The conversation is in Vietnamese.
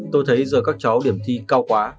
tôi thấy giờ các cháu điểm thi cao quá